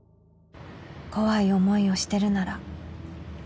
「怖い思いをしてるなら」